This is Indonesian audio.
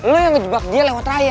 lo yang ngejebak dia lewat raya